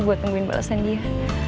buat nungguin balesan dia